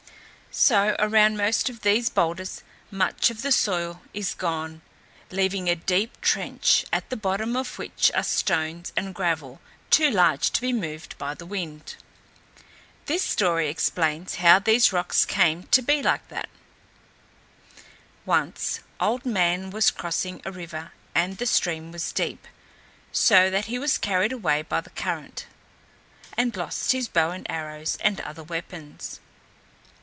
So, around most of these boulders, much of the soil is gone, leaving a deep trench, at the bottom of which are stones and gravel, too large to be moved by the wind. This story explains how these rocks came to be like that: Once Old Man was crossing a river and the stream was deep, so that he was carried away by the current, and lost his bow and arrows and other weapons.